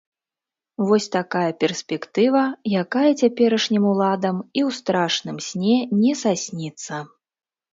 Вось такая перспектыва, якая цяперашнім уладам і ў страшным сне не сасніцца.